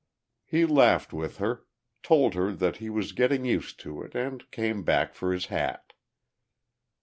He laughed with her, told her that he was getting used to it, and came back for his hat.